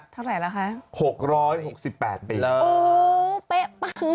เท่าไหร่แล้วคะ๖๖๘ปีโอ้โฮเป๊ะปั้งมาก